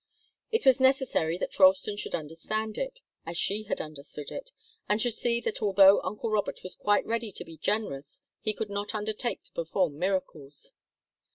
It was necessary that Ralston should understand it, as she had understood it, and should see that although uncle Robert was quite ready to be generous he could not undertake to perform miracles.